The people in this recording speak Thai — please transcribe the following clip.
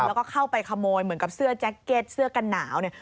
แล้วก็เข้าไปขโมยเหมือนกับเสื้อแจ็คเก็ตเสื้อกันหนาวเนี่ย